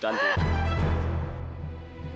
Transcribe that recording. suara ingat ibu athana